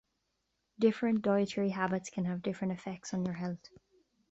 Different dietary habits can have different effects on your health.